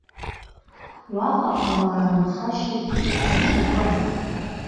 Уаҟа ауаа рынхашьагьы даҽакын.